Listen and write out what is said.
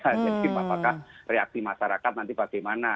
jadi apakah reaksi masyarakat nanti bagaimana